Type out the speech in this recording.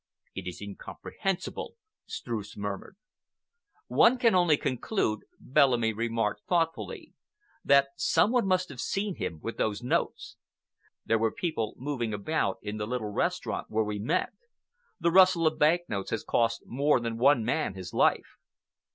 "It is incomprehensible," Streuss murmured. "One can only conclude," Bellamy remarked thoughtfully, "that someone must have seen him with those notes. There were people moving about in the little restaurant where we met. The rustle of bank notes has cost more than one man his life.